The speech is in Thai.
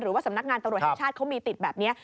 หรือว่าสำนักงานตำรวจแห่งชาติเขามีติดแบบนี้